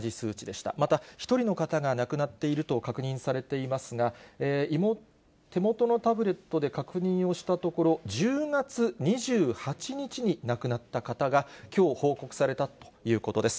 また、１人の方が亡くなっていると確認されていますが、手元のタブレットで確認をしたところ、１０月２８日に亡くなった方が、きょう報告されたということです。